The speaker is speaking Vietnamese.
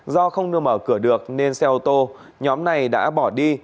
do không nên mở cửa được nên xe ô tô nhóm này đã bỏ đi